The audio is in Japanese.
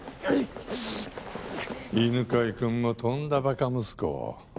犬飼君もとんだばか息子を。